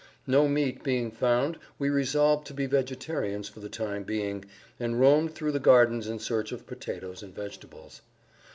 No meat being found we resolved to be vegetarians for the time being, and roamed through the gardens in search of potatoes and vegetables.